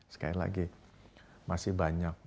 sekali lagi masih banyak